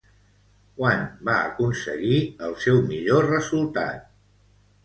Quan va aconseguir el seu millor resultat?